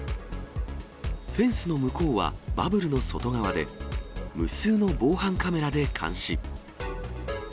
フェンスの向こうはバブルの外側で、無数の防犯カメラで監視。